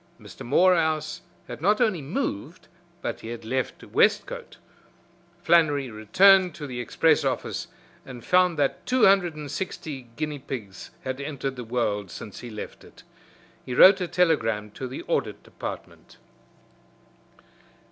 Mr. Morehouse had not only moved, but he had left Westcote. Flannery returned to the express office and found that two hundred and six guinea pigs had entered the world since he left it. He wrote a telegram to the Audit Department.